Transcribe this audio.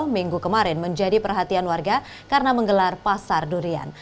minggu kemarin menjadi perhatian warga karena menggelar pasar durian